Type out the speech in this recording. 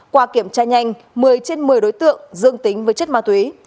qua kiểm tra nhanh một mươi trên một mươi đối tượng dương tính với chất ma túy